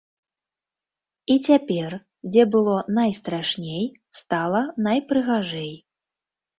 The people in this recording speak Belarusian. І цяпер, дзе было найстрашней, стала найпрыгажэй.